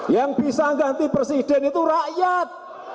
yang bisa ganti presiden itu rakyat